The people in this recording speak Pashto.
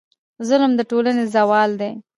ظلم د ټولنې زوال دی.